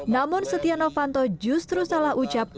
namun setia novanto justru salah ucap